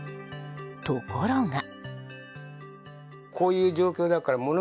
ところが。